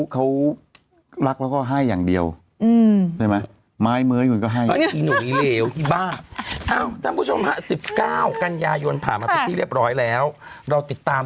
เขารักแล้วก็ให้อย่างเดียวใช่ไหม